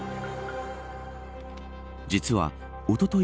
実はおととい